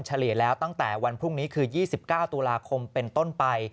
เฉลี่ยแล้วตั้งแต่วันพรุ่งนี้คือ๒๙ตุลาคมเป็นต้นไป